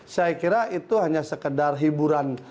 saya kira itu hanya sekedar hiburan